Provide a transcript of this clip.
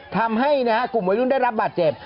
ทำให้กลุ่มวัยรุ่นได้รับบาดเจ็บ